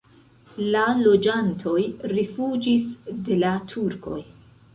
La loĝantoj rifuĝis de la turkoj.